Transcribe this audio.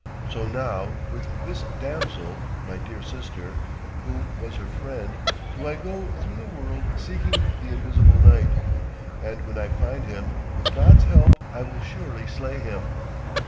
So now with this damsel, my dear sister, who was her friend, do I go through the world seeking the invisible knight. And when I find him, with God's help I will surely slay him.'